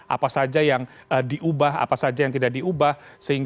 apa saja yang diubah apa saja yang tidak diubah